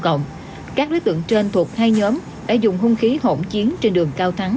cộng các đối tượng trên thuộc hai nhóm đã dùng hung khí hỗn chiến trên đường cao thắng